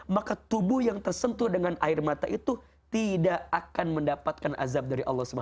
maka tubuh yang tersentuh dengan air mata itu tidak akan mendapatkan azab dari allah swt